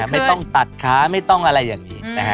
ไม่ต้องตัดขาไม่ต้องอะไรอย่างนี้